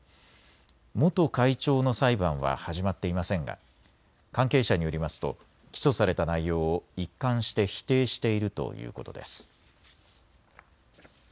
元会長の裁判は始まっていませんが関係者によりますと起訴された内容を一貫して否定しているということです。